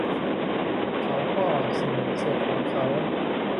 เขาก็สิ่งพิเศษของเขา